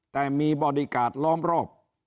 แต่มีบริการล้อมรอบ